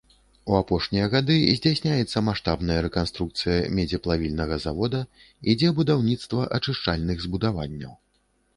У апошнія гады здзяйсняецца маштабная рэканструкцыя медзеплавільнага завода, ідзе будаўніцтва ачышчальных збудаванняў.